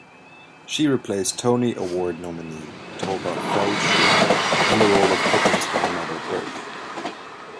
She replaced Tony award nominee Tovah Feldshuh in the role of Pippin's grandmother Berthe.